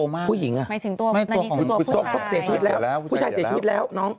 ว่าผู้หญิงเสียชีวิตแล้ว